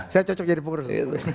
saya cocok jadi pengurus